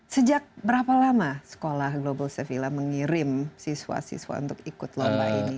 sejak berapa lama sekolah global sevilla mengirim siswa siswa untuk ikut lomba ini